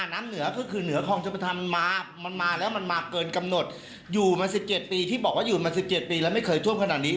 น้ำเหนือก็คือเหนือคลองชมประธานมามันมาแล้วมันมาเกินกำหนดอยู่มา๑๗ปีที่บอกว่าอยู่มา๑๗ปีแล้วไม่เคยท่วมขนาดนี้